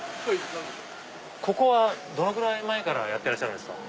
ここはどのぐらい前からやってらっしゃるんですか？